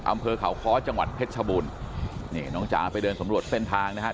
อำเภอเขาค้อจังหวัดเพชรชบูรณ์นี่น้องจ๋าไปเดินสำรวจเส้นทางนะฮะ